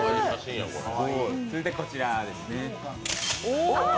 続いてこちらですね。